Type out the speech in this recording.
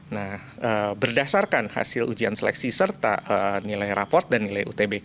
nah berdasarkan hasil ujian seleksi serta nilai raport dan nilai utbk